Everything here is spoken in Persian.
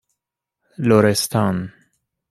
لرستان